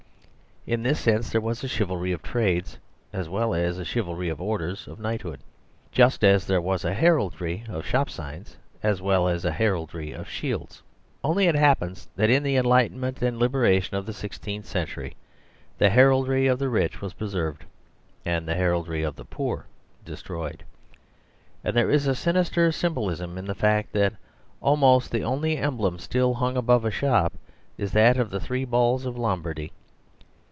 In this sense there was a chivalry of trades as well as a chivalry of orders of knighthood; just as there was a heraldry of shop signs as well as a heraldry of shields. Only it happens that in the en lightenment and liberation of the sixteenth century, the heraldry of the rich was pre served, and the heraldry of the poor destroyed. And there is a sinister symbolism in the fact that almost the only emblem still hung above a shop is that of the three balls of Lombardy.